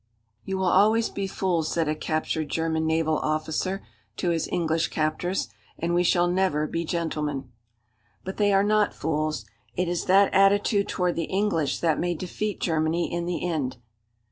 "You will always be fools," said a captured German naval officer to his English captors, "and we shall never be gentlemen!" But they are not fools. It is that attitude toward the English that may defeat Germany in the end.